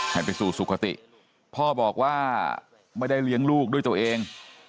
ให้ไปสู่สุขติพ่อบอกว่าไม่ได้เลี้ยงลูกด้วยตัวเอง